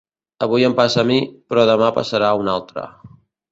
Avui em passa a mi, però demà passarà a un altre.